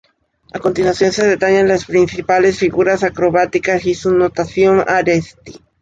A continuación se detallan las principales figuras acrobáticas y su notación Aresti.